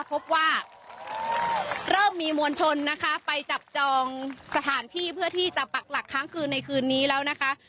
พบว่าเริ่มมีมวลชนนะคะไปจับจองสถานที่เพื่อที่จะปักหลักค้างคืนในคืนนี้แล้วนะคะ